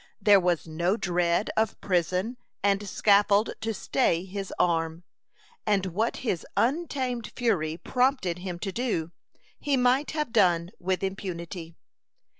There was no dread of prison and scaffold to stay his arm, and what his untamed fury prompted him to do, he might have done with impunity.